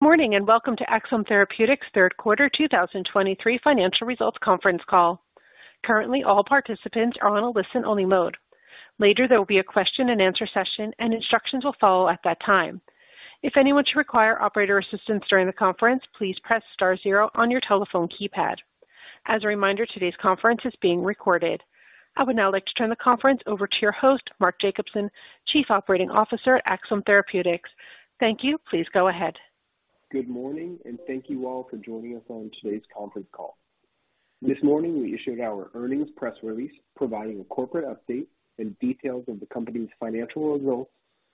Good morning, and welcome to Axsome Therapeutics' Third Quarter 2023 Financial Results Conference Call. Currently, all participants are on a listen-only mode. Later, there will be a question-and-answer session, and instructions will follow at that time. If anyone should require operator assistance during the conference, please press star zero on your telephone keypad. As a reminder, today's conference is being recorded. I would now like to turn the conference over to your host, Mark Jacobson, Chief Operating Officer at Axsome Therapeutics. Thank you. Please go ahead. Good morning, and thank you all for joining us on today's conference call. This morning, we issued our earnings press release, providing a corporate update and details of the company's financial results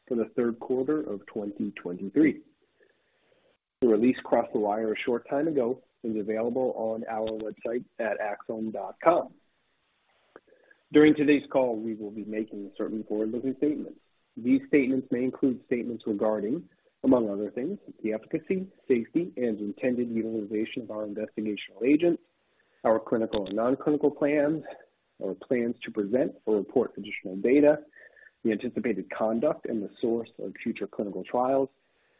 for the third quarter of 2023. The release crossed the wire a short time ago and is available on our website at axsome.com. During today's call, we will be making certain forward-looking statements. These statements may include statements regarding, among other things, the efficacy, safety, and intended utilization of our investigational agents, our clinical and non-clinical plans, our plans to present or report additional data, the anticipated conduct and the source of future clinical trials,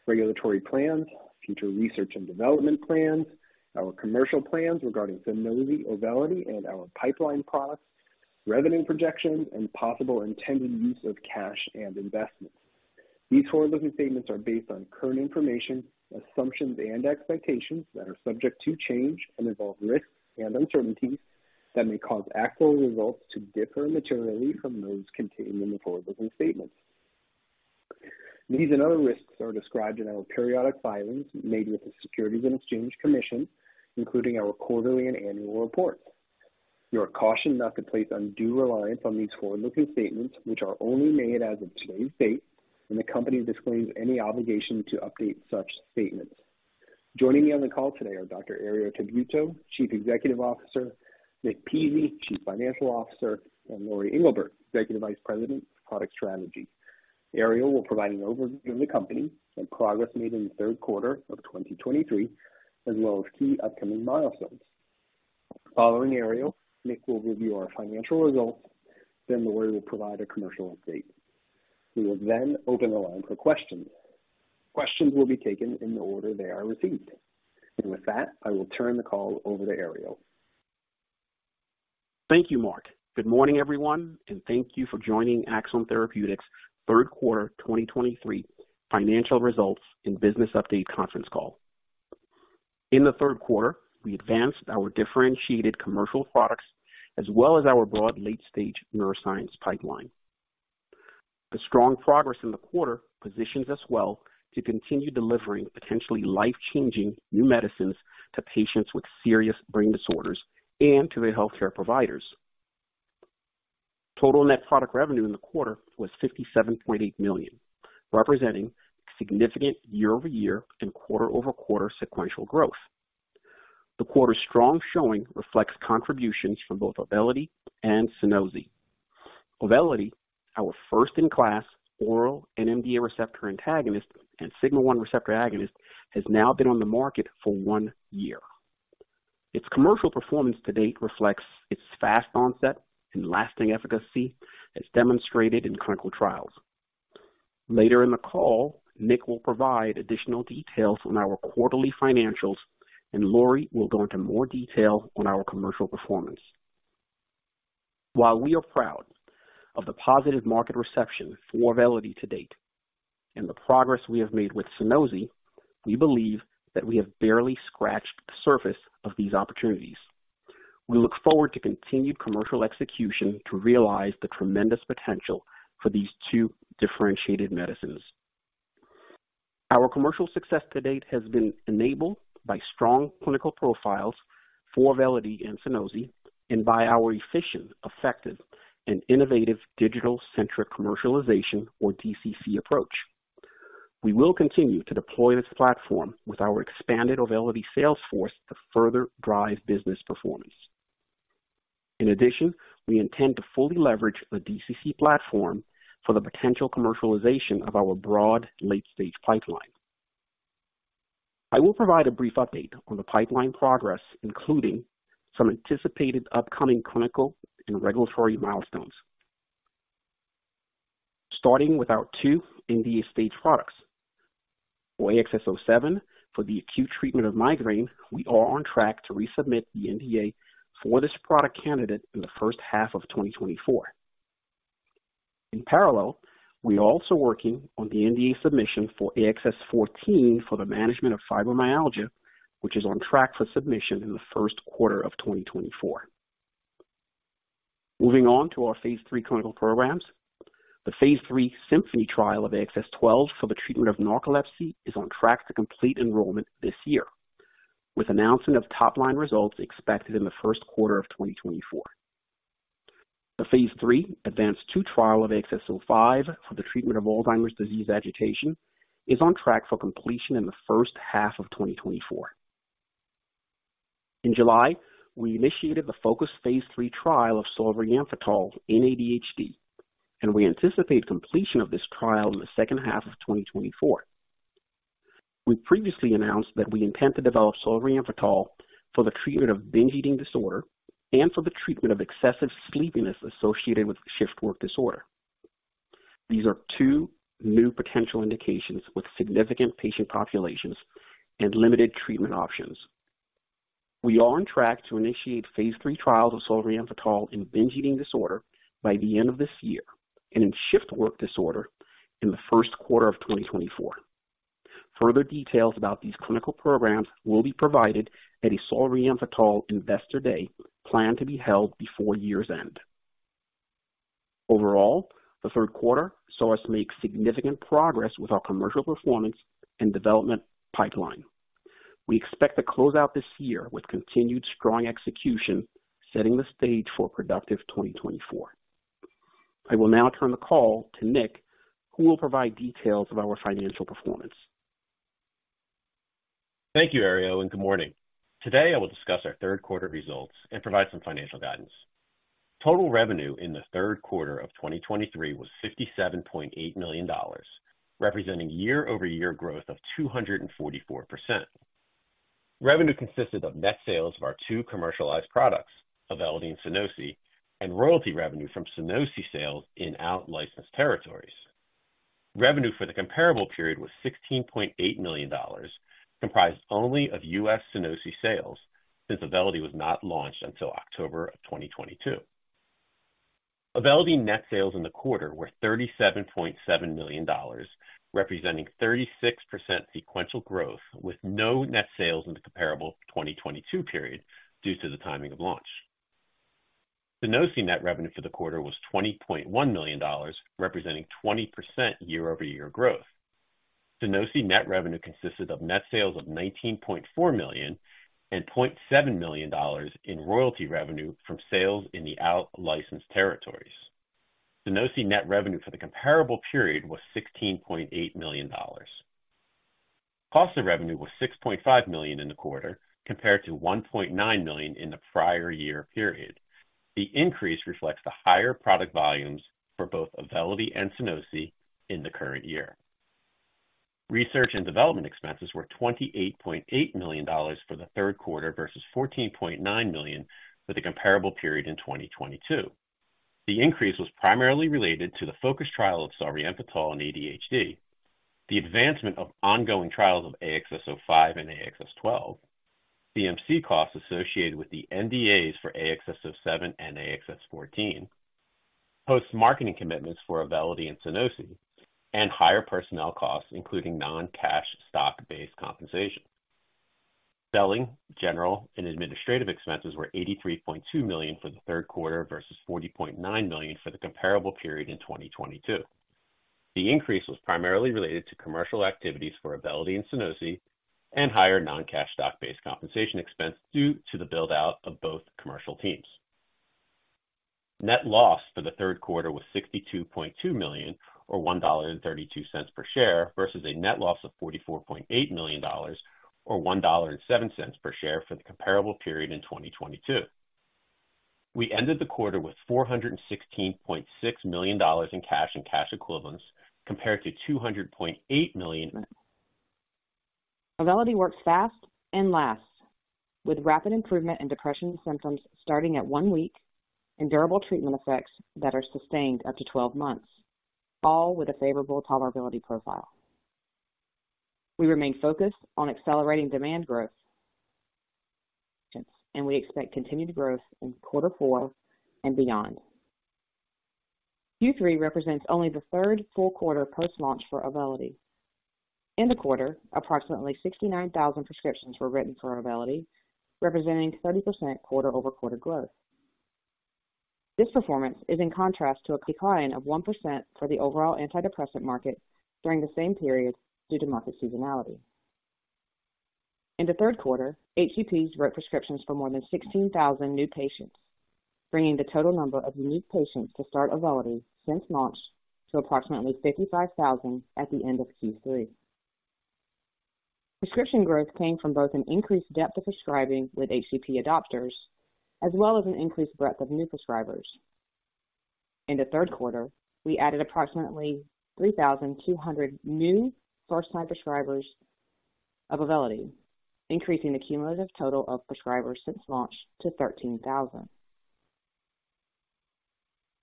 regulatory plans, future research and development plans, our commercial plans regarding Sunosi, Auvelity, and our pipeline products, revenue projections, and possible intended use of cash and investments. These forward-looking statements are based on current information, assumptions, and expectations that are subject to change and involve risks and uncertainties that may cause actual results to differ materially from those contained in the forward-looking statements. These and other risks are described in our periodic filings made with the Securities and Exchange Commission, including our quarterly and annual reports. You are cautioned not to place undue reliance on these forward-looking statements, which are only made as of today's date, and the company disclaims any obligation to update such statements. Joining me on the call today are Dr. Herriot Tabuteau, Chief Executive Officer, Nick Pizzie, Chief Financial Officer, and Lori Englebert, Executive Vice President of Product Strategy. Herriot will provide an overview of the company and progress made in the third quarter of 2023, as well as key upcoming milestones. Following Herriot, Nick will review our financial results, then Lori will provide a commercial update. We will then open the line for questions. Questions will be taken in the order they are received. With that, I will turn the call over to Herriot. Thank you, Mark. Good morning, everyone, and thank you for joining Axsome Therapeutics' third quarter 2023 financial results and business update conference call. In the third quarter, we advanced our differentiated commercial products as well as our broad late-stage neuroscience pipeline. The strong progress in the quarter positions us well to continue delivering potentially life-changing new medicines to patients with serious brain disorders and to their healthcare providers. Total net product revenue in the quarter was $57.8 million, representing significant year-over-year and quarter-over-quarter sequential growth. The quarter's strong showing reflects contributions from both Auvelity and Sunosi. Auvelity, our first-in-class oral NMDA receptor antagonist and Sigma-1 receptor agonist, has now been on the market for one year. Its commercial performance to date reflects its fast onset and lasting efficacy as demonstrated in clinical trials. Later in the call, Nick will provide additional details on our quarterly financials, and Lori will go into more detail on our commercial performance. While we are proud of the positive market reception for Auvelity to date and the progress we have made with Sunosi, we believe that we have barely scratched the surface of these opportunities. We look forward to continued commercial execution to realize the tremendous potential for these two differentiated medicines. Our commercial success to date has been enabled by strong clinical profiles for Auvelity and Sunosi and by our efficient, effective, and innovative digital-centric commercialization, or DCC approach. We will continue to deploy this platform with our expanded Auvelity sales force to further drive business performance. In addition, we intend to fully leverage the DCC platform for the potential commercialization of our broad late-stage pipeline. I will provide a brief update on the pipeline progress, including some anticipated upcoming clinical and regulatory milestones. Starting with our two NDA stage products. For AXS-07 for the acute treatment of migraine, we are on track to resubmit the NDA for this product candidate in the first half of 2024. In parallel, we are also working on the NDA submission for AXS-14 for the management of fibromyalgia, which is on track for submission in the first quarter of 2024. Moving on to our phase III clinical programs. The phase III SYMPHONIE trial of AXS-12 for the treatment of narcolepsy is on track to complete enrollment this year, with announcement of top-line results expected in the first quarter of 2024. The phase III ADVANCE-2 trial of AXS-05 for the treatment of Alzheimer's disease agitation is on track for completion in the first half of 2024. In July, we initiated the focused phase III trial of solriamfetol in ADHD, and we anticipate completion of this trial in the second half of 2024. We previously announced that we intend to develop solriamfetol for the treatment of binge eating disorder and for the treatment of excessive sleepiness associated with shift work disorder. These are two new potential indications with significant patient populations and limited treatment options. We are on track to initiate phase III trials of solriamfetol in binge eating disorder by the end of this year and in shift work disorder in the first quarter of 2024. Further details about these clinical programs will be provided at a solriamfetol Investor Day planned to be held before year's end. Overall, the third quarter saw us make significant progress with our commercial performance and development pipeline. We expect to close out this year with continued strong execution, setting the stage for a productive 2024. I will now turn the call to Nick, who will provide details of our financial performance. Thank you, Herriot, and good morning. Today I will discuss our third-quarter results and provide some financial guidance. Total revenue in the third quarter of 2023 was $57.8 million, representing year-over-year growth of 244%. Revenue consisted of net sales of our two commercialized products, Auvelity and Sunosi, and royalty revenue from Sunosi sales in out-licensed territories. Revenue for the comparable period was $16.8 million, comprised only of US Sunosi sales, since Auvelity was not launched until October of 2022. Auvelity net sales in the quarter were $37.7 million, representing 36% sequential growth, with no net sales in the comparable 2022 period due to the timing of launch. Sunosi net revenue for the quarter was $20.1 million, representing 20% year-over-year growth. Sunosi net revenue consisted of net sales of $19.4 million and $0.7 million in royalty revenue from sales in the out-licensed territories. Sunosi net revenue for the comparable period was $16.8 million. Cost of revenue was $6.5 million in the quarter, compared to $1.9 million in the prior year period. The increase reflects the higher product volumes for both Auvelity and Sunosi in the current year. Research and development expenses were $28.8 million for the third quarter versus $14.9 million for the comparable period in 2022. The increase was primarily related to the focused trial of solriamfetol in ADHD, the advancement of ongoing trials of AXS-05 and AXS-12, CMC costs associated with the NDAs for AXS-07 and AXS-14, post-marketing commitments for Auvelity and Sunosi, and higher personnel costs, including non-cash stock-based compensation. Selling, general, and administrative expenses were $83.2 million for the third quarter versus $40.9 million for the comparable period in 2022. The increase was primarily related to commercial activities for Auvelity and Sunosi and higher non-cash stock-based compensation expense due to the build-out of both commercial teams. Net loss for the third quarter was $62.2 million, or $1.32 per share, versus a net loss of $44.8 million, or $1.07 per share for the comparable period in 2022. We ended the quarter with $416.6 million in cash and cash equivalents compared to $200.8 million. Auvelity works fast and lasts, with rapid improvement in depression symptoms starting at 1 week and durable treatment effects that are sustained up to 12 months, all with a favorable tolerability profile. We remain focused on accelerating demand growth, and we expect continued growth in quarter four and beyond. Q3 represents only the third full quarter post-launch for Auvelity. In the quarter, approximately 69,000 prescriptions were written for Auvelity, representing 30% quarter-over-quarter growth. This performance is in contrast to a decline of 1% for the overall antidepressant market during the same period due to market seasonality. In the third quarter, HCPs wrote prescriptions for more than 16,000 new patients, bringing the total number of unique patients to start Auvelity since launch to approximately 55,000 at the end of Q3. Prescription growth came from both an increased depth of prescribing with HCP adopters as well as an increased breadth of new prescribers. In the third quarter, we added approximately 3,200 new first-time prescribers of Auvelity, increasing the cumulative total of prescribers since launch to 13,000.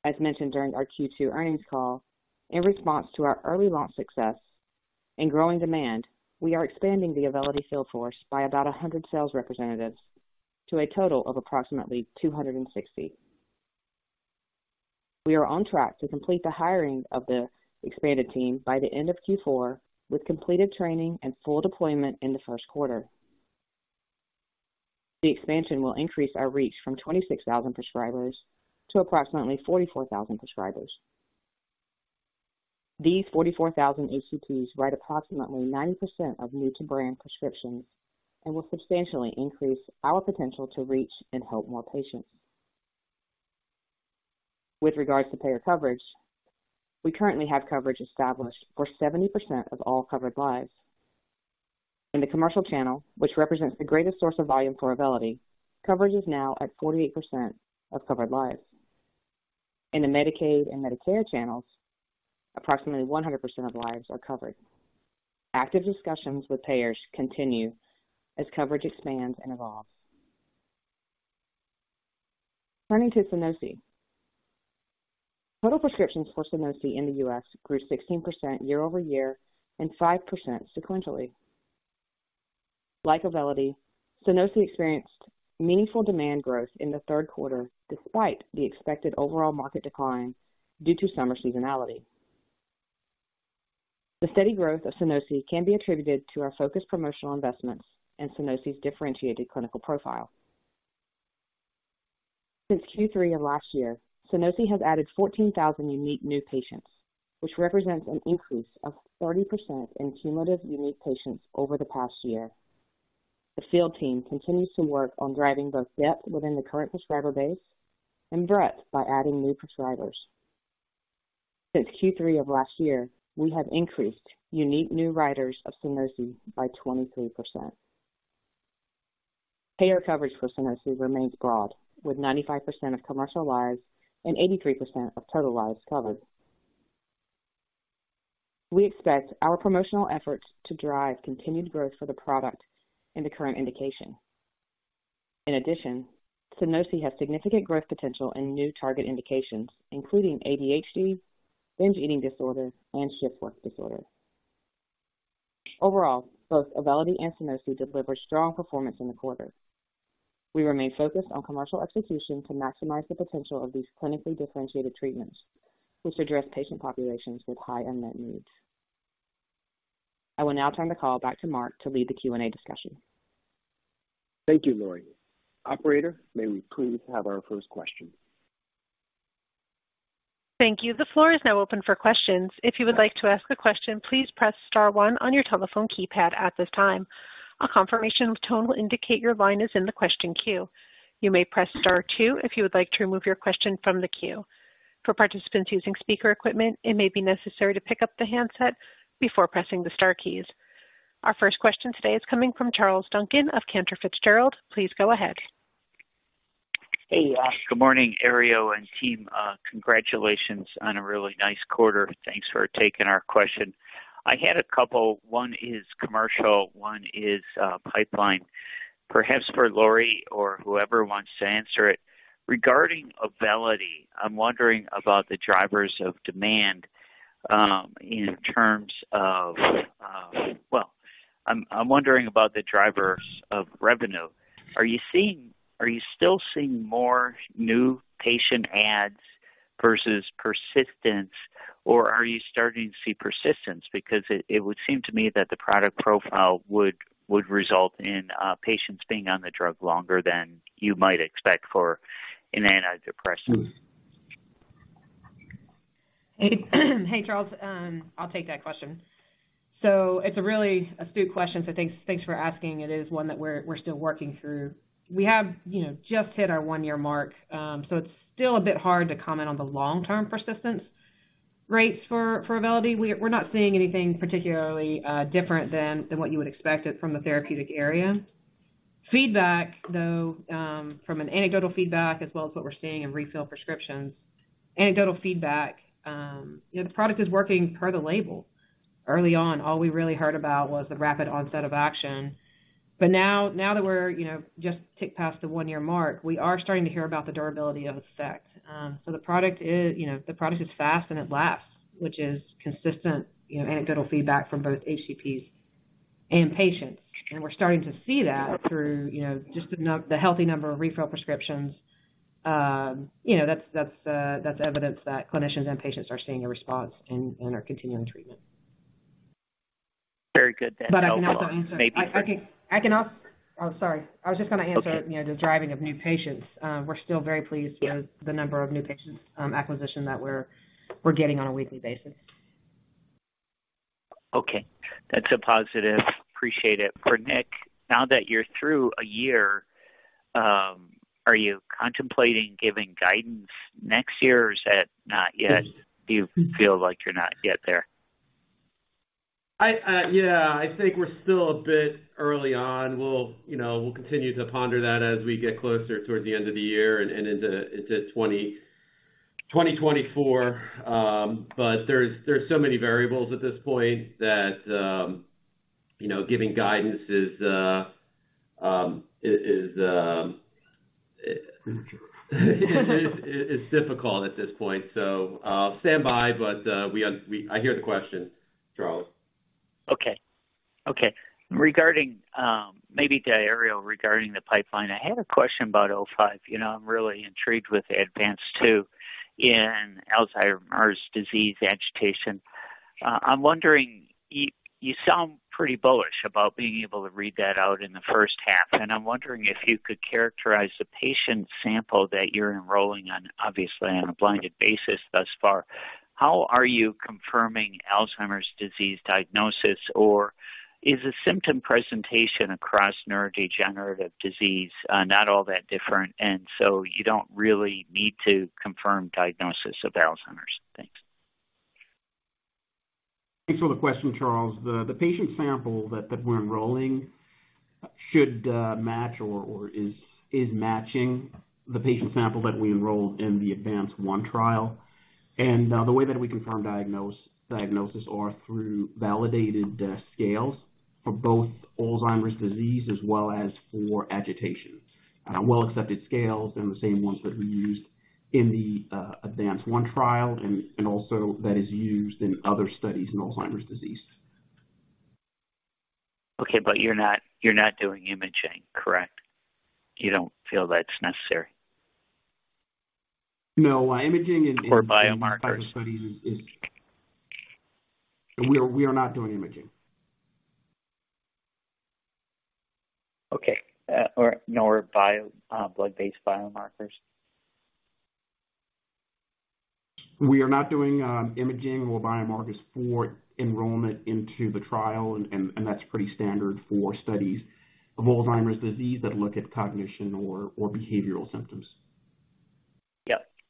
As mentioned during our Q2 earnings call, in response to our early launch success and growing demand, we are expanding the Auvelity sales force by about 100 sales representatives to a total of approximately 260. We are on track to complete the hiring of the expanded team by the end of Q4, with completed training and full deployment in the first quarter. The expansion will increase our reach from 26,000 prescribers to approximately 44,000 prescribers. These 44,000 HCPs write approximately 90% of new-to-brand prescriptions and will substantially increase our potential to reach and help more patients. With regards to payer coverage, we currently have coverage established for 70% of all covered lives. In the commercial channel, which represents the greatest source of volume for Auvelity, coverage is now at 48% of covered lives. In the Medicaid and Medicare channels, approximately 100% of lives are covered. Active discussions with payers continue as coverage expands and evolves. Turning to Sunosi. Total prescriptions for Sunosi in the U.S. grew 16% year-over-year and 5% sequentially. Like Auvelity, Sunosi experienced meaningful demand growth in the third quarter, despite the expected overall market decline due to summer seasonality. The steady growth of Sunosi can be attributed to our focused promotional investments and Sunosi's differentiated clinical profile. Since Q3 of last year, Sunosi has added 14,000 unique new patients, which represents an increase of 30% in cumulative unique patients over the past year. The field team continues to work on driving both depth within the current prescriber base and breadth by adding new prescribers. Since Q3 of last year, we have increased unique new writers of Sunosi by 23%. Payer coverage for Sunosi remains broad, with 95% of commercial lives and 83% of total lives covered. We expect our promotional efforts to drive continued growth for the product in the current indication. In addition, Sunosi has significant growth potential in new target indications, including ADHD, binge eating disorder, and shift work disorder. Overall, both Auvelity and Sunosi delivered strong performance in the quarter. We remain focused on commercial execution to maximize the potential of these clinically differentiated treatments, which address patient populations with high unmet needs. I will now turn the call back to Mark to lead the Q&A discussion. Thank you, Lori. Operator, may we please have our first question? Thank you. The floor is now open for questions. If you would like to ask a question, please press star one on your telephone keypad at this time. A confirmation tone will indicate your line is in the question queue. You may press star two if you would like to remove your question from the queue. For participants using speaker equipment, it may be necessary to pick up the handset before pressing the star keys. Our first question today is coming from Charles Duncan of Cantor Fitzgerald. Please go ahead. Hey, good morning, Herriot and team. Congratulations on a really nice quarter. Thanks for taking our question. I had a couple. One is commercial, one is pipeline. Perhaps for Lori or whoever wants to answer it. Regarding Auvelity, I'm wondering about the drivers of demand in terms of, well, I'm wondering about the drivers of revenue. Are you still seeing more new patient adds versus persistence, or are you starting to see persistence? Because it would seem to me that the product profile would result in patients being on the drug longer than you might expect for an antidepressant. Hey, hey, Charles, I'll take that question. So it's a really astute question, so thanks, thanks for asking. It is one that we're still working through. We have, you know, just hit our 1-year mark, so it's still a bit hard to comment on the long-term persistence rates for Auvelity. We're not seeing anything particularly different than what you would expect from the therapeutic area. Feedback, though, from anecdotal feedback as well as what we're seeing in refill prescriptions. Anecdotal feedback, you know, the product is working per the label. Early on, all we really heard about was the rapid onset of action. But now, now that we're, you know, just tick past the 1-year mark, we are starting to hear about the durability of effect. So the product is, you know, the product is fast and it lasts, which is consistent, you know, anecdotal feedback from both HCPs and patients. And we're starting to see that through, you know, just the healthy number of refill prescriptions. You know, that's evidence that clinicians and patients are seeing a response and are continuing treatment. Very good. Oh, sorry. I was just going to answer the driving of new patients. We're still very pleased with the number of new patients acquisition that we're getting on a weekly basis. Okay, that's a positive. Appreciate it. For Nick, now that you're through a year, are you contemplating giving guidance next year, or is that not yet? Do you feel like you're not yet there? I think we're still a bit early on. We'll continue to ponder that as we get closer toward the end of the year and into 2024. But there's so many variables at this point that, you know, giving guidance is difficult at this point. Stand by, but, we, I hear the question, Charles. Regarding maybe to Herriot, regarding the pipeline. I had a question about AXS-05. You know, I'm really intrigued with Auvelity too in Alzheimer's disease agitation. I'm wondering, you sound pretty bullish about being able to read that out in the first half, and I'm wondering if you could characterize the patient sample that you're enrolling on, obviously on a blinded basis thus far. How are you confirming Alzheimer's disease diagnosis, or is the symptom presentation across neurodegenerative disease not all that different, and so you don't really need to confirm diagnosis of Alzheimer's? Thanks. Thanks for the question, Charles. The patient sample that we're enrolling should match or is matching the patient sample that we enrolled in the ADVANCE-1 trial. And the way that we confirm diagnosis are through validated scales for both Alzheimer's disease as well as for agitation. Well-accepted scales and the same ones that we used in the ADVANCE-1 trial and also that is used in other studies in Alzheimer's disease. Okay, but you're not, you're not doing imaging, correct? You don't feel that's necessary, Or biomarkers.? We are not doing imaging. Okay. Or nor bio, blood-based biomarkers? We are not doing imaging or biomarkers for enrollment into the trial, and that's pretty standard for studies of Alzheimer's disease that look at cognition or behavioral symptoms.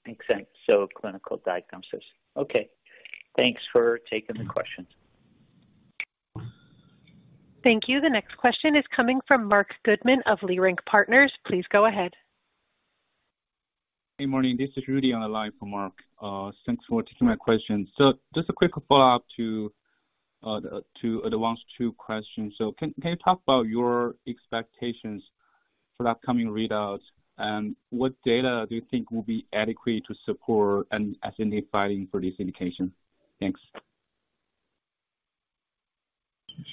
Yep, makes sense. So clinical diagnosis. Okay. Thanks for taking the questions. Thank you. The next question is coming from Mark Goodman of Leerink Partners. Please go ahead. Hey, morning. This is Rudy on the line for Mark. Thanks for taking my question. So just a quick follow-up to the ADVANCE-2 question. So can you talk about your expectations for the upcoming readouts, and what data do you think will be adequate to support an sNDA filing for this indication? Thanks.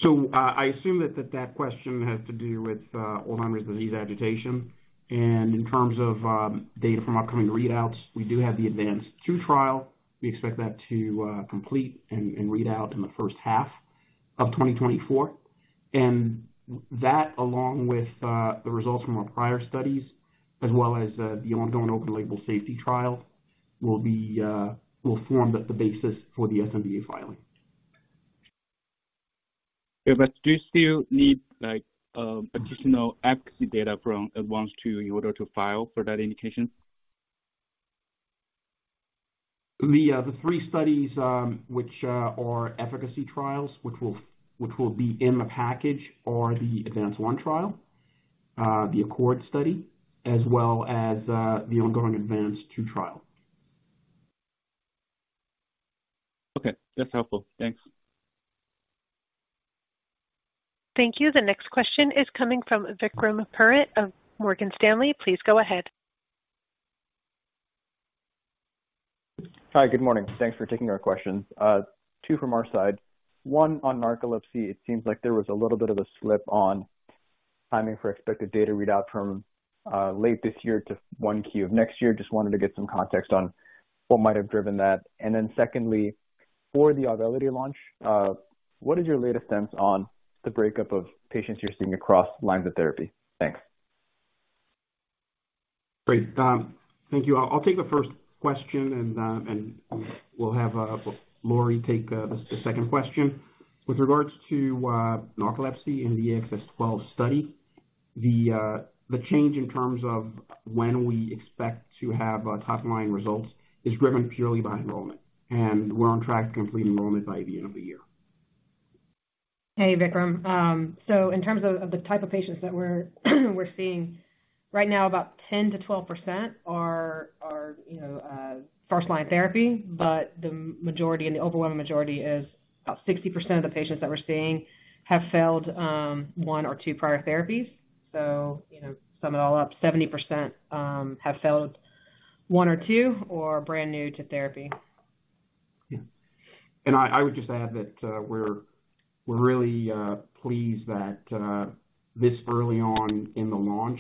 So, I assume that that question has to do with Alzheimer's disease agitation. And in terms of data from upcoming readouts, we do have the ADVANCE-2 trial. We expect that to complete and read out in the first half of 2024. And that, along with the results from our prior studies, as well as the ongoing open-label safety trial, will form the basis for the sNDA filing. Yeah, but do you still need, like, additional efficacy data from ADVANCE-2 in order to file for that indication? The three studies, which are efficacy trials, which will be in the package, are the ADVANCE-1 trial, the ACCORD study, as well as the ongoing ADVANCE-2 trial. Okay, that's helpful. Thanks. Thank you. The next question is coming from Vikram Purohit of Morgan Stanley. Please go ahead. Hi, good morning. Thanks for taking our questions. Two from our side. One, on narcolepsy, it seems like there was a little bit of a slip on timing for expected data readout from late this year to 1Q of next year. Just wanted to get some context on what might have driven that. And then secondly, for the Auvelity launch, what is your latest stance on the breakup of patients you're seeing across lines of therapy? Thanks. Great. Thank you. I'll take the first question, and we'll have Lori take the second question. With regards to narcolepsy in the AXS-12 study, the change in terms of when we expect to have top-line results is driven purely by enrollment, and we're on track to complete enrollment by the end of the year. Hey, Vikram. So in terms of the type of patients that we're seeing right now, about 10%-12% are first-line therapy, but the majority and the overwhelming majority is about 60% of the patients that we're seeing have failed one or two prior therapies. So, sum it all up, 70% have failed one or two or are brand new to therapy. Yeah. And I would just add that we're really pleased that this early on in the launch,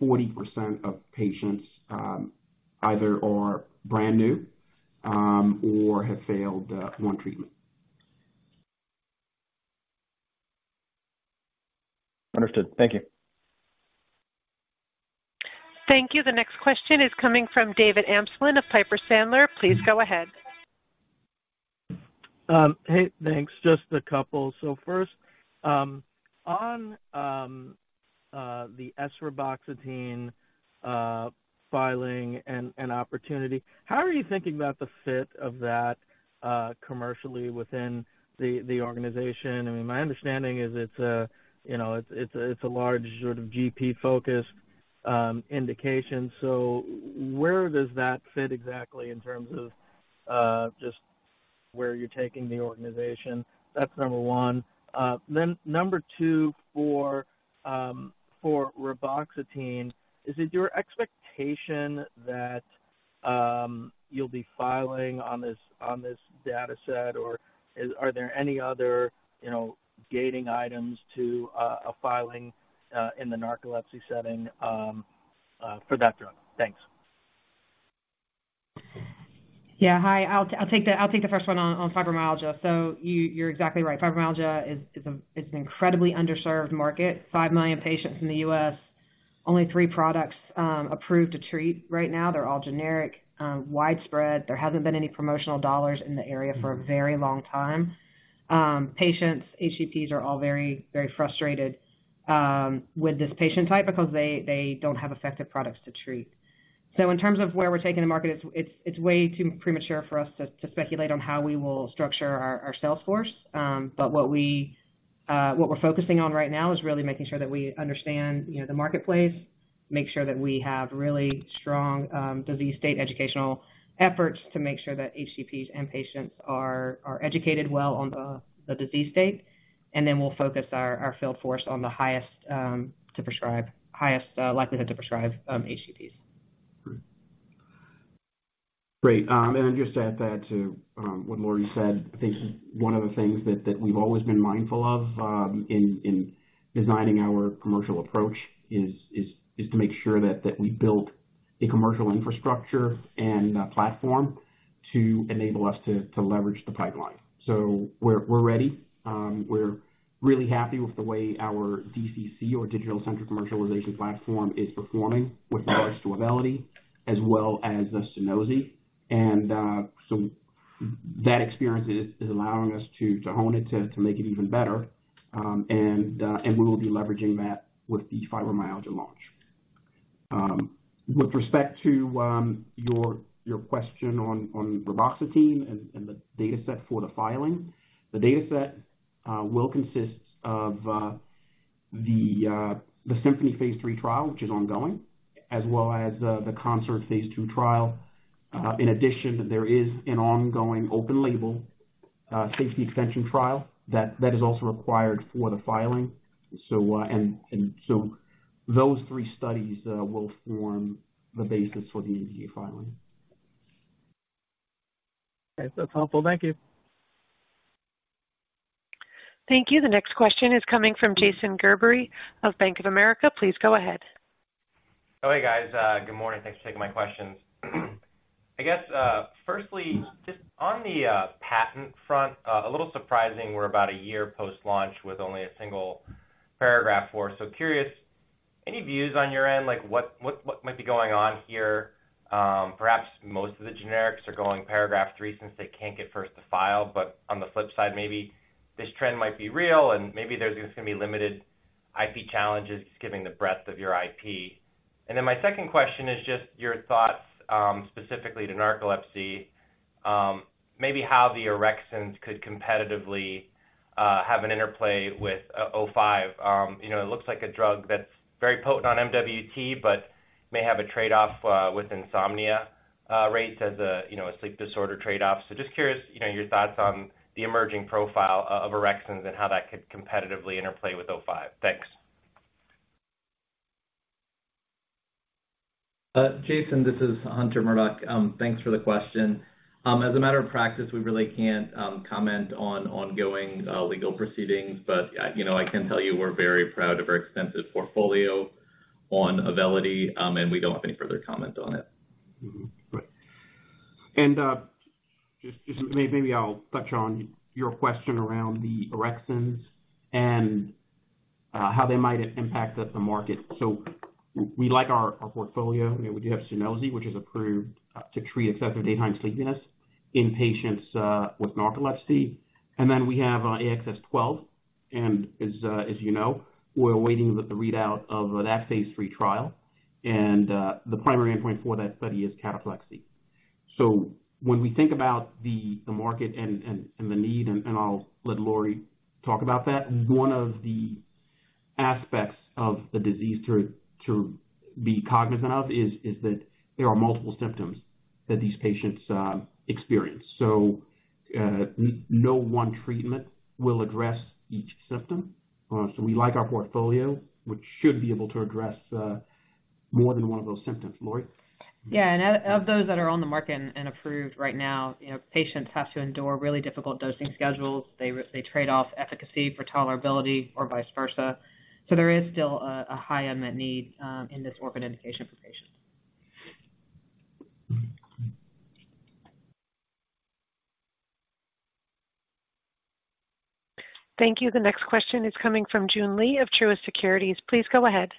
40% of patients either are brand new or have failed one treatment. Understood. Thank you. Thank you. The next question is coming from David Amsellem of Piper Sandler. Please go ahead. Hey, thanks. Just a couple. So first, on the esreboxetine filing and opportunity, how are you thinking about the fit of that commercially within the organization? I mean, my understanding it's a large sort of GP-focused indication. So where does that fit exactly, in terms of just where you're taking the organization? That's number one. Then number two, for reboxetine, is it your expectation that you'll be filing on this data set? Or are there any other, you know, gating items to a filing in the narcolepsy setting for that drug? Thanks. Yeah. Hi, I'll take the first one on fibromyalgia. So you're exactly right. Fibromyalgia is a. It's an incredibly underserved market. 5 million patients in the U.S., only 3 products approved to treat right now. They're all generic, widespread. There hasn't been any promotional dollars in the area for a very long time. Patients, HCPs are all very, very frustrated with this patient type because they don't have effective products to treat. So in terms of where we're taking the market, it's way too premature for us to speculate on how we will structure our sales force. But what we're focusing on right now is really making sure that we understand, you know, the marketplace. Make sure that we have really strong disease state educational efforts to make sure that HCPs and patients are educated well on the disease state. And then we'll focus our field force on the highest likelihood to prescribe HCPs. Great. And just add that to what Lori said. I think one of the things that we've always been mindful of in designing our commercial approach is to make sure that we build a commercial infrastructure and platform to enable us to leverage the pipeline. So we're ready. We're really happy with the way our DCC or digital-centric commercialization platform is performing with regards to Auvelity as well as Sunosi. And so that experience is allowing us to hone it, to make it even better. And we will be leveraging that with the fibromyalgia launch. With respect to your question on reboxetine and the data set for the filing. The data set will consist of the SYMPHONIE phase III trial, which is ongoing, as well as the CONSORT phase II trial. In addition, there is an ongoing open label safety extension trial that is also required for the filing. So those three studies will form the basis for the NDA filing. Okay. That's helpful. Thank you. Thank you. The next question is coming from Jason Gerberry of Bank of America. Please go ahead. Oh, hey, guys. Good morning. Thanks for taking my questions. I guess, firstly, just on the patent front, a little surprising, we're about a year post-launch with only a single paragraph four. So curious, any views on your end, what might be going on here? Perhaps most of the generics are going paragraph three since they can't get first to file, but on the flip side, maybe this trend might be real and maybe there's just going to be limited IP challenges, given the breadth of your IP. And then my second question is just your thoughts, specifically to narcolepsy. Maybe how the orexins could competitively have an interplay with AXS-05. It looks like a drug that's very potent on MWT, but may have a trade-off with insomnia rates as a sleep disorder trade-off. So just curious, you know, your thoughts on the emerging profile of orexins and how that could competitively interplay with AXS-05. Thanks. Jason, this is Hunter Murdock. Thanks for the question. As a matter of practice, we really can't comment on ongoing legal proceedings, but you know, I can tell you we're very proud of our extensive portfolio on Auvelity, and we don't have any further comment on it. Great. And just maybe I'll touch on your question around the orexins and how they might impact us the market. So we like our portfolio. You know, we do have Sunosi, which is approved to treat excessive daytime sleepiness in patients with narcolepsy. And then we have AXS-12, and as you know, we're waiting for the readout of that phase III trial. And the primary endpoint for that study is cataplexy. So when we think about the market and the need, and I'll let Lori talk about that, one of the aspects of the disease to be cognizant of is that there are multiple symptoms that these patients experience. So no one treatment will address each symptom. So we like our portfolio, which should be able to address more than one of those symptoms. Lori? Yeah, and of those that are on the market and approved right now, you know, patients have to endure really difficult dosing schedules. They trade off efficacy for tolerability or vice versa. So there is still a high unmet need in this orphan indication for patients. Thank you. The next question is coming from Joon Lee of Truist Securities. Please go ahead.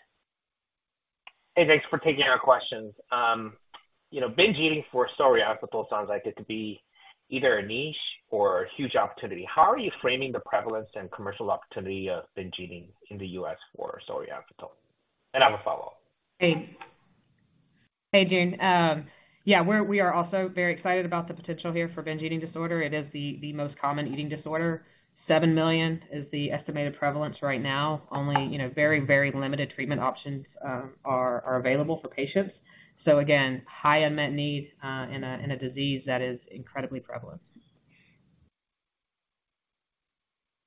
Hey, thanks for taking our questions. You know, binge eating for solriamfetol, it sounds like it could be either a niche or a huge opportunity. How are you framing the prevalence and commercial opportunity of binge eating in the U.S. for solriamfetol? And I have a follow-up. Joon. We are also very excited about the potential here for binge eating disorder. It is the most common eating disorder. 7 million is the estimated prevalence right now. Only very limited treatment options are available for patients. So again, high unmet need in a disease that is incredibly prevalent.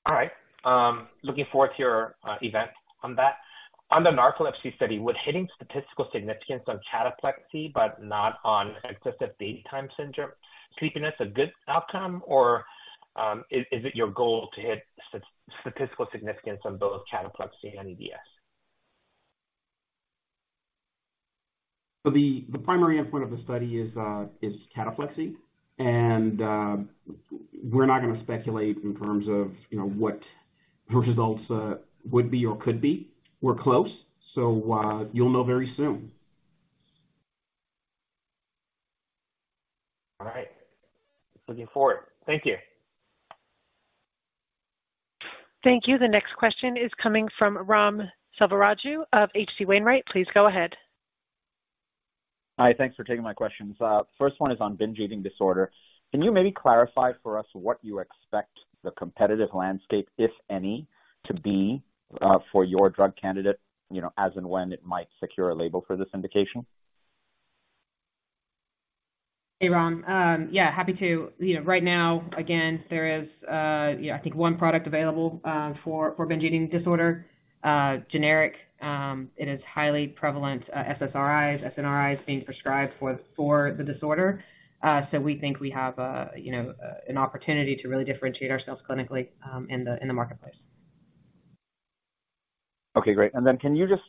All right. Looking forward to your event on that. On the narcolepsy study, would hitting statistical significance on cataplexy but not on excessive daytime sleepiness a good outcome, or is it your goal to hit statistical significance on both cataplexy and EDS? So the primary endpoint of the study is cataplexy, and we're not going to speculate in terms of, you know, what her results would be or could be. We're close, so you'll know very soon. All right. Looking forward. Thank you. Thank you. The next question is coming from Ram Selvaraju of H.C. Wainwright. Please go ahead. Hi, thanks for taking my questions. First one is on binge eating disorder. Can you maybe clarify for us what you expect the competitive landscape, if any, to be, for your drug candidate, you know, as and when it might secure a label for this indication? Hey, Ram. Yeah, happy to. Right now, again, there is I think one product available for binge eating disorder, generic. It is highly prevalent that SSRIs, SNRIs being prescribed for the disorder. So we think we have, you know, an opportunity to really differentiate ourselves clinically in the marketplace. Okay, great. And then can you just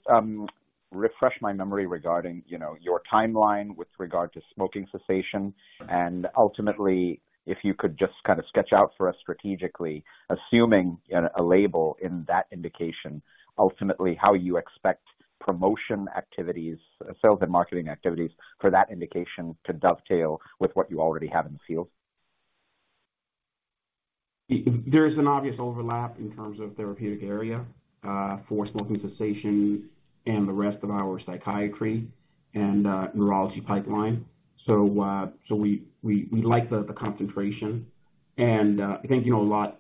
refresh my memory regarding, you know, your timeline with regard to smoking cessation? And ultimately, if you could just kind of sketch out for us strategically, assuming a label in that indication, ultimately how you expect promotion activities, sales and marketing activities for that indication to dovetail with what you already have in the field. There's an obvious overlap in terms of therapeutic area for smoking cessation and the rest of our psychiatry and neurology pipeline. So we like the concentration. I think, you know, a lot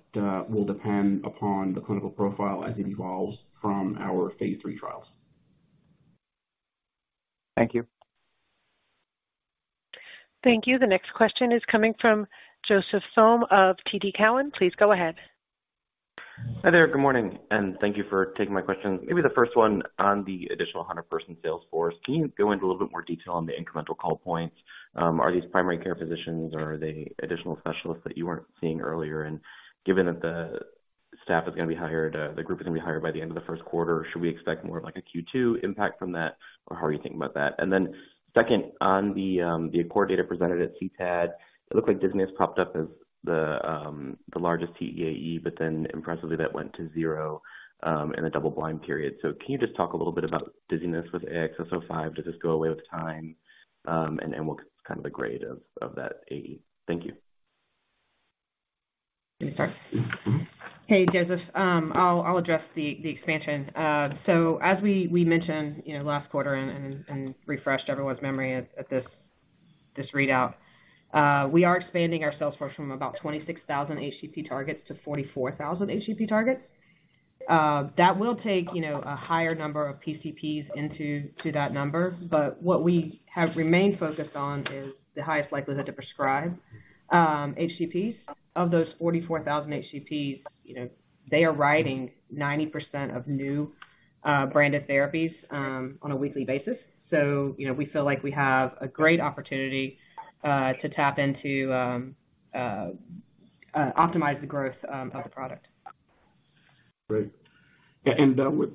will depend upon the clinical profile as it evolves from our phase III trials. Thank you. Thank you. The next question is coming from Joseph Thome of TD Cowen. Please go ahead. Hi there. Good morning, and thank you for taking my questions. Maybe the first one on the additional 100-person sales force. Can you go into a little bit more detail on the incremental call points? Are these primary care physicians or are they additional specialists that you weren't seeing earlier? And given that the staff is going to be hired, the group is going to be hired by the end of the first quarter, should we expect more of a Q2 impact from that, or how are you thinking about that? And then second, on the, the core data presented at CTAD, it looked like dizziness popped up as the, the largest TEAE, but then impressively, that went to zero, in a double-blind period. So can you just talk a little bit about dizziness with AXS-05? Does this go away with time? What's kind of the grade of that AE? Thank you. Hey, Joseph. I'll address the expansion. So as we mentioned, you know, last quarter and refreshed everyone's memory at this readout, we are expanding our sales force from about 26,000 HCP targets to 44,000 HCP targets. That will take, you know, a higher number of PCPs into that number. But what we have remained focused on is the highest likelihood to prescribe HCPs. Of those 44,000 HCPs, you know, they are writing 90% of new branded therapies on a weekly basis. So, you know, we feel like we have a great opportunity to tap into optimize the growth of the product. Great. Yeah, and excuse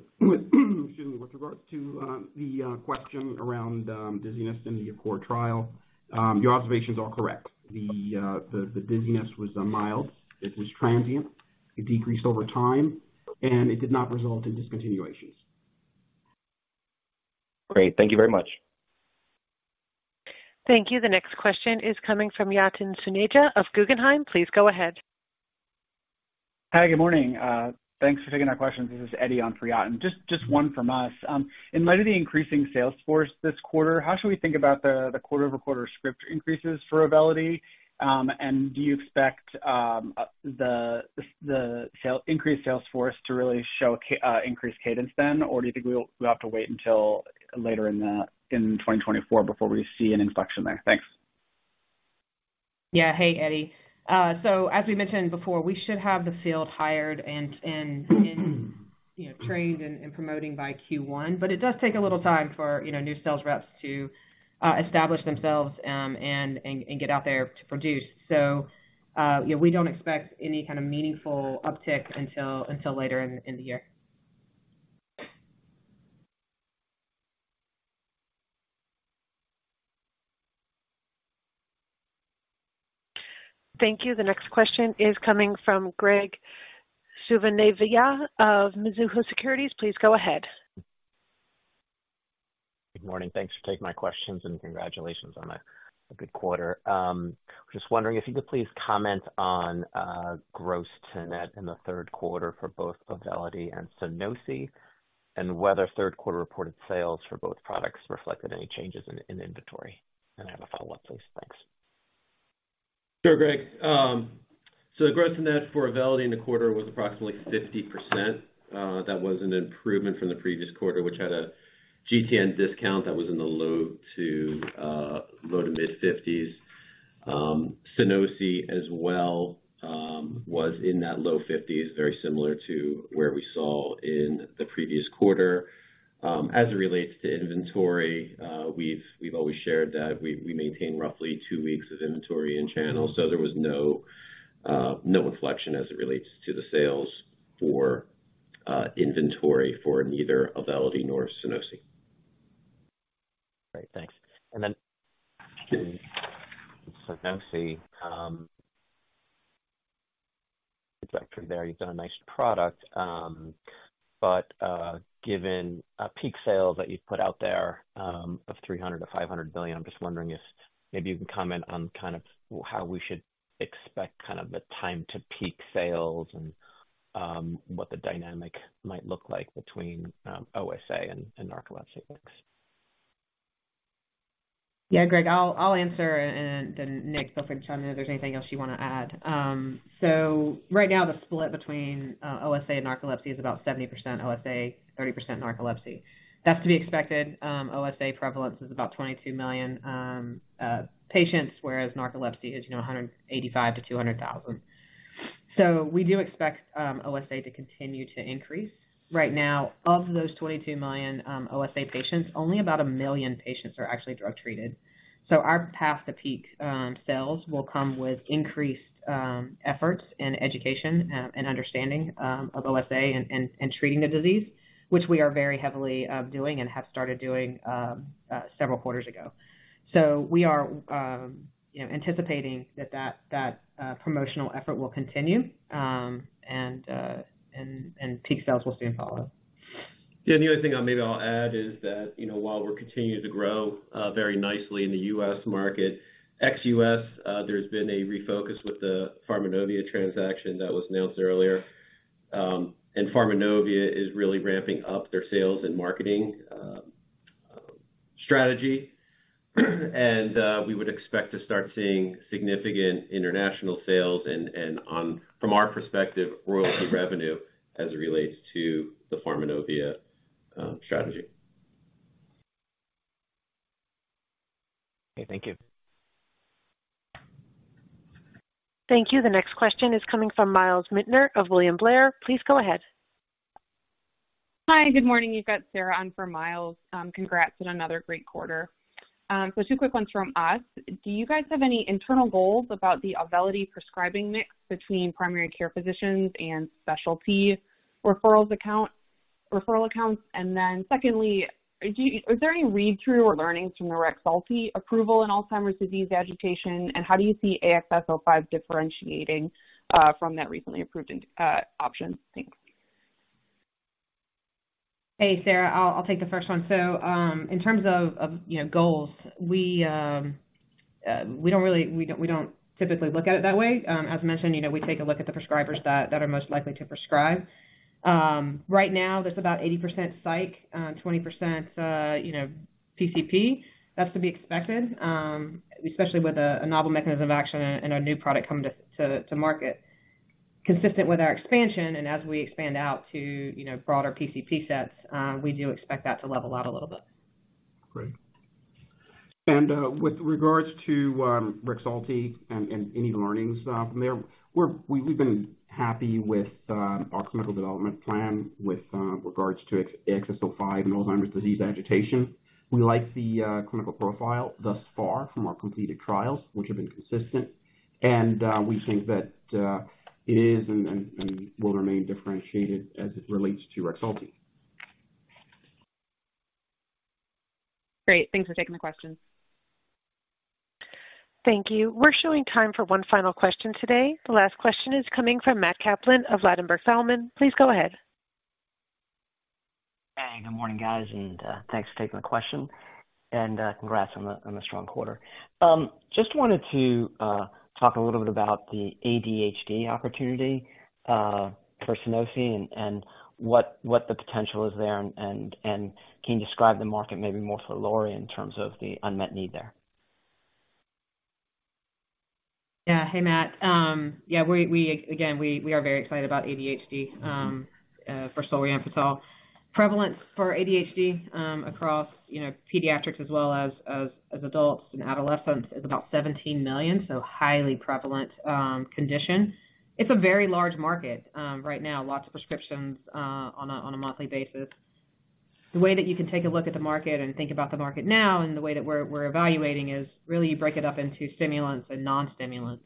me, with regards to the question around dizziness in the core trial, your observations are correct. The dizziness was mild, it was transient, it decreased over time, and it did not result in discontinuations. Great. Thank you very much. Thank you. The next question is coming from Yatin Suneja of Guggenheim. Please go ahead. Hi, good morning. Thanks for taking our questions. This is Eddie on for Yatin. Just one from us. In light of the increasing sales force this quarter, how should we think about the quarter-over-quarter script increases for Auvelity? And do you expect the increased sales force to really show increased cadence then? Or do you think we'll have to wait until later in 2024 before we see an inflection there? Thanks. Yeah. Hey, Eddie. So as we mentioned before, we should have the field hired and, you know, trained and promoting by Q1, but it does take a little time for, you know, new sales reps to establish themselves and get out there to produce. So, yeah, we don't expect any kind of meaningful uptick until later in the year. Thank you. The next question is coming from Graig Suvannavejh of Mizuho Securities. Please go ahead. Good morning. Thanks for taking my questions, and congratulations on a good quarter. Just wondering if you could please comment on gross to net in the third quarter for both Auvelity and Sunosi, and whether third quarter reported sales for both products reflected any changes in inventory. I have a follow-up, please. Thanks. Sure, Greg. So the gross net for Auvelity in the quarter was approximately 50%. That was an improvement from the previous quarter, which had a GTN discount that was in the low-to-mid-50s%. Sunosi as well was in the low 50s%, very similar to where we saw in the previous quarter. As it relates to inventory, we've always shared that we maintain roughly two weeks of inventory in channel, so there was no inflection as it relates to the sales for inventory for either Auvelity nor Sunosi. Great, thanks. And then Sunosi, trajectory there, you've got a nice product, but, given a peak sales that you've put out there, of $300 million to $500 million, I'm just wondering if maybe you can comment on kind of how we should expect kind of the time to peak sales and-what the dynamic might look like between, OSA and narcolepsy? Greg, I'll answer and then, Nick, feel free to chime in if there's anything else you want to add. So right now the split between OSA and narcolepsy is about 70% OSA, 30% narcolepsy. That's to be expected. OSA prevalence is about 22 million patients, whereas narcolepsy is 185,000-200,000. So we do expect OSA to continue to increase. Right now, of those 22 million OSA patients, only about 1 million patients are actually drug-treated. So our path to peak sales will come with increased efforts and education and understanding of OSA and treating the disease, which we are very heavily doing and have started doing several quarters ago. So we are, you know, anticipating that promotional effort will continue, and peak sales will soon follow. Maybe I'll add is that while we're continuing to grow very nicely in the U.S. market, ex-U.S., there's been a refocus with the Pharmanovia transaction that was announced earlier. And Pharmanovia is really ramping up their sales and marketing strategy. And we would expect to start seeing significant international sales and, from our perspective, royalty revenue as it relates to the Pharmanovia strategy. Okay, thank you. Thank you. The next question is coming from Myles Minter of William Blair. Please go ahead. Hi, good morning. You've got Sarah on for Myles. Congrats on another great quarter. So two quick ones from us. Do you guys have any internal goals about the Auvelity prescribing mix between primary care physicians and specialty referrals account, referral accounts? And then secondly, was there any read-through or learnings from the Rexulti approval in Alzheimer's disease agitation, and how do you see AXS-05 differentiating from that recently approved option? Thanks. Hey, Sarah, I'll take the first one. So, in terms of, you know, goals, we don't really- we don't typically look at it that way. As mentioned, you know, we take a look at the prescribers that are most likely to prescribe. Right now, that's about 80% psych, 20% PCP. That's to be expected, especially with a novel mechanism of action and a new product coming to market. Consistent with our expansion, and as we expand out to broader PCP sets, we do expect that to level out a little bit. Great. And with regards to Rexulti and any learnings from there, we've been happy with our clinical development plan with regards to AXS-05 and Alzheimer's disease agitation. We like the clinical profile thus far from our completed trials, which have been consistent. And we think that it is and will remain differentiated as it relates to Rexulti. Great. Thanks for taking the question. Thank you. We're showing time for one final question today. The last question is coming from Matt Kaplan of Ladenburg Thalmann. Please go ahead. Hey, good morning, guys, and thanks for taking the question. And congrats on the strong quarter. Just wanted to talk a little bit about the ADHD opportunity for Sunosi and can you describe the market maybe more so, Lori, in terms of the unmet need there? Hey, Matt. We are again very excited about ADHD for solriamfetol. Prevalence for ADHD across, you know, pediatrics as well as adults and adolescents, is about 17 million, so highly prevalent condition. It's a very large market right now. Lots of prescriptions on a monthly basis. The way that you can take a look at the market and think about the market now, and the way that we're evaluating is, really you break it up into stimulants and non-stimulants.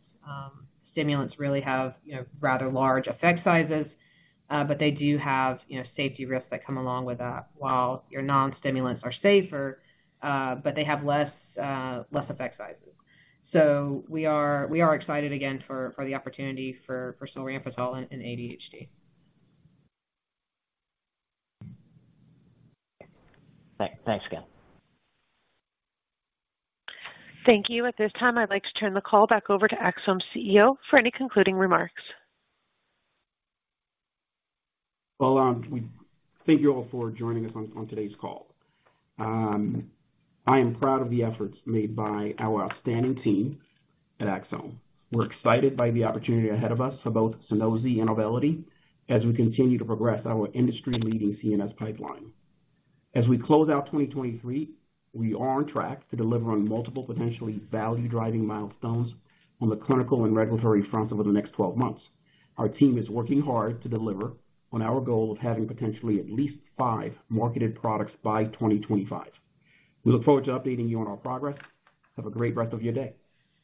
Stimulants really have, you know, rather large effect sizes, but they do have, you know, safety risks that come along with that, while your non-stimulants are safer, but they have less effect sizes. So we are excited again, for the opportunity for solriamfetol in ADHD. Thanks. Thanks again. Thank you. At this time, I'd like to turn the call back over to Axsome's CEO for any concluding remarks. Well, we thank you all for joining us on today's call. I am proud of the efforts made by our outstanding team at Axsome. We're excited by the opportunity ahead of us for both Sunosi and Auvelity, as we continue to progress our industry-leading CNS pipeline. As we close out 2023, we are on track to deliver on multiple potentially value-driving milestones on the clinical and regulatory fronts over the next 12 months. Our team is working hard to deliver on our goal of having potentially at least 5 marketed products by 2025. We look forward to updating you on our progress. Have a great rest of your day.